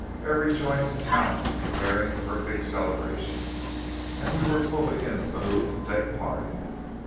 Every joint in town was preparing for a big celebration, and we were fully in the mood to take part in it.